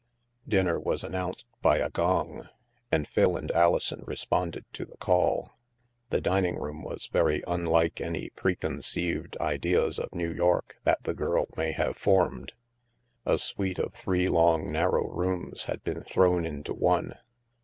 Dinner was announced by a gong, and Phil and Alison responded to the call. The dining room was very unlike any preconceived ideas of New York that the girl may have formed. A suite of three long narrow rooms had been thrown into one.